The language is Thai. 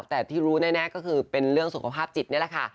แต่ที่รู้แน่ก็คือเป็นเรื่องสุขภาพจิตนี่แหละค่ะ